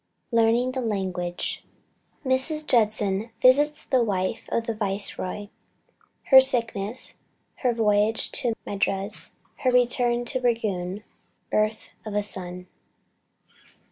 LEARNING THE LANGUAGE. MRS. JUDSON VISITS THE WIFE OF THE VICEROY. HER SICKNESS. HER VOYAGE TO MADRAS. HER RETURN TO RANGOON. BIRTH OF A SON.